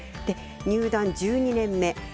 入団１２年目